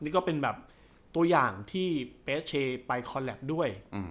นี่ก็เป็นตัวอย่างที่เบสเชย์ไปคอลลาบด้วย